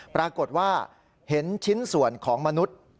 ปรากฏว่าเห็นชิ้นส่วนของมนุษย์